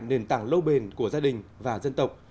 nền tảng lâu bền của gia đình và dân tộc